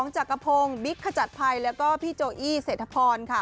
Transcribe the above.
จักรพงศ์บิ๊กขจัดภัยแล้วก็พี่โจอี้เศรษฐพรค่ะ